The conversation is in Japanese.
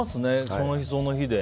その日その日で。